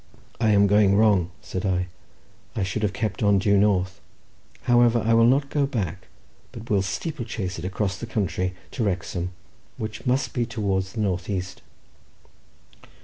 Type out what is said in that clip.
"I am going wrong," said I; "I should have kept on due north. However, I will not go back, but will steeplechase it across the country to Wrexham, which must be towards the north east."